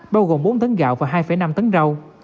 bao gồm bốn tấn gạo và hai năm tấn rau